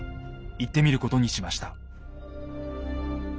行ってみることにしました。